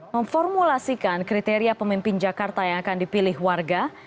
memformulasikan kriteria pemimpin jakarta yang akan dipilih warga